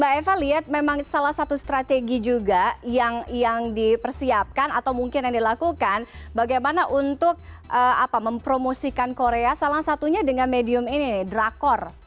jadi saya lihat memang salah satu strategi juga yang dipersiapkan atau mungkin yang dilakukan bagaimana untuk mempromosikan korea salah satunya dengan medium ini nih drakor